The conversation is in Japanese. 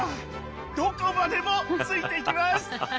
どこまでもついていきます！